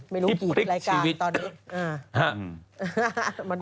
ที่พลิกชีวิตฮะไม่รู้กี่รายการตอนนี้